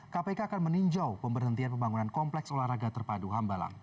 kpk akan meninjau pemberhentian pembangunan kompleks olahraga terpadu hambalang